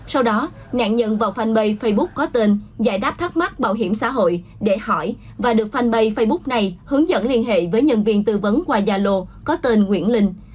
sau đó nạn nhân vào fanpage facebook có tên giải đáp thắc mắc bảo hiểm xã hội để hỏi và được fanpage facebook này hướng dẫn liên hệ với nhân viên tư vấn qua zalo có tên nguyễn linh